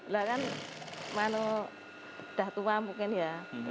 ya kan sudah tua mungkin ya